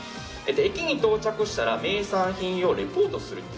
駅に到着したら名産品をレポートすると。